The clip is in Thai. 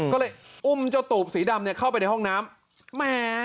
ก็เลยอุ้มเจ้าตูบสีดำเนี่ยเข้าไปในห้องน้ำแหม